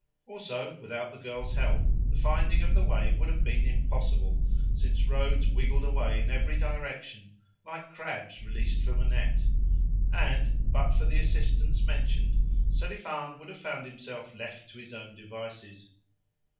Also, without the girl's help the finding of the way would have been impossible, since roads wiggled away in every direction, like crabs released from a net, and, but for the assistance mentioned, Selifan would have found himself left to his own devices.